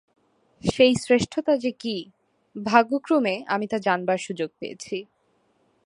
সেই শ্রেষ্ঠতা যে কী, ভাগ্যক্রমে আমি তা জানবার সুযোগ পেয়েছি।